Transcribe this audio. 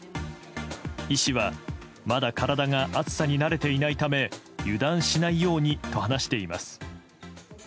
医師は、まだ体が暑さに慣れていないため油断しないようにと話しています。